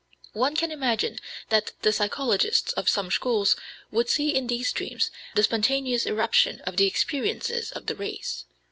One can imagine that the psychologists of some schools would see in these dreams the spontaneous eruption of the experiences of the race.